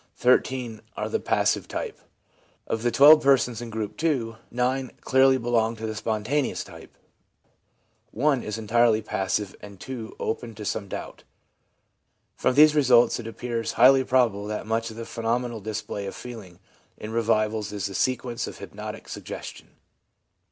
13 are of the passive type. Of the 12 persons in Group II., 9 clearly belong to the spontaneous type, 1 is entirely passive, and 2 are open to some doubt. From these results it appears highly probable that much of the phenomenal display of feeling in revivals is the sequence of hypnotic suggestion.